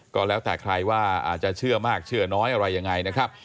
ก็แล้วแต่ใครว่าอาจจะเชื่อมากเชื่อน้อยอะไรยังไงนะครับ